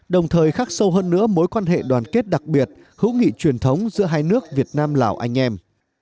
đồng thời khắc sâu hơn nữa mối quan hệ đoàn kết đặc biệt hữu nghị truyền thống giữa hai nước việt nam lào anh em